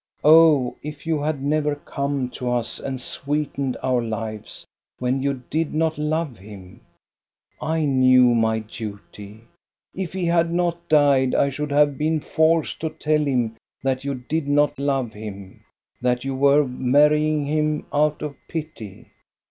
Oh, if you had never come to us and sweetened our lives, when you did not love him ! I knew my duty : if he had not died, I should have been forced to tell him that vou did not love him, that you were marrying him out of pity.